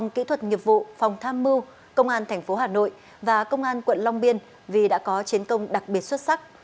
kỹ thuật nghiệp vụ phòng tham mưu công an tp hà nội và công an quận long biên vì đã có chiến công đặc biệt xuất sắc